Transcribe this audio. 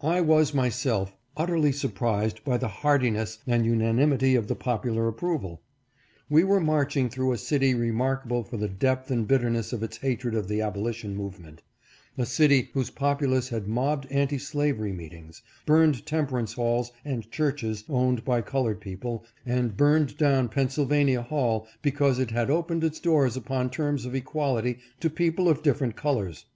I was myself utterly surprised by the heartiness and unanimity of the popular approval, We were marching through a city remarkable for the depth and bitterness of its hatred of the abolition move ment; a city whose populace had mobbed anti slavery meetings, burned temperance halls and churches owned by colored people and burned down Pennsylvania Hall because it had opened its doors upon terms of equality to people of different colors.